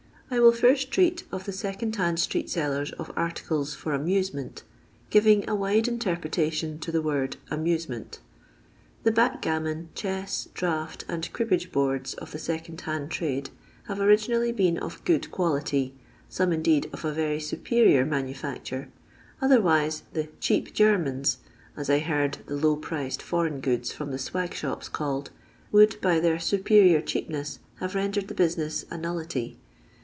I will first treat of the Second JIand Street Sellers of Articles for Amtisement, giving a wide interpretation to the word "amusement." The backgammon, chess, draught, and cribbage boards of the second hand trade have originally been of good quality — some indeed of a very superior manufacture ; otherwise tlie " cheap Germans " (as I heard the low priced foreign goods from the swag shops called) would by their supe rior cheapness have rendered the business a nullity.